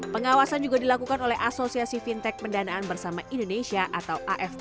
pengawasan juga dilakukan oleh asosiasi fintech pendanaan bersama indonesia atau afd